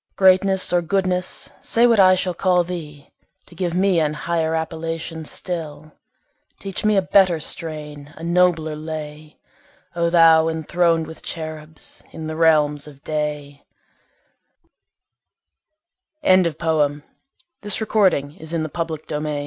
Greatness, or Goodness, say what I shall call thee, To give me an higher appellation still, Teach me a better strain, a nobler lay, O thou, enthron'd with Cherubs in the realms of day Next: To a Lady On the Death of Her Husband Legal Privacy Poli